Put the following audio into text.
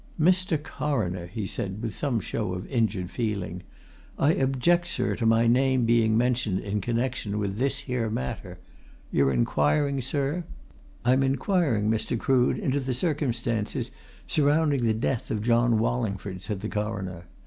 "Mr. Coroner," he said, with some show of injured feeling, "I object, sir, to my name being mentioned in connection with this here matter. You're inquiring, sir " "I'm inquiring, Mr. Crood, into the circumstances surrounding the death of John Wallingford," said the Coroner.